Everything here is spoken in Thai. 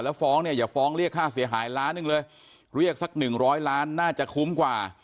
แล้วฟ้องเนี่ยอย่าฟ้องเรียกค่าเสียหายล้านหนึ่งเลยเรียกสักหนึ่งร้อยล้านน่าจะคุ้มกว่า